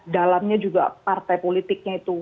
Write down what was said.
dalamnya juga partai politiknya itu